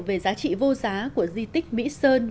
về giá trị vô giá của di tích mỹ sơn